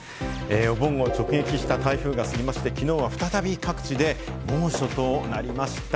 お盆を直撃した台風が過ぎ、きのうは再び各地で猛暑となりました。